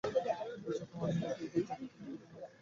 অভিশাপ থামানোর একটা উপায়, যেটা তার মেয়েকে উন্মাদ বানিয়েছে।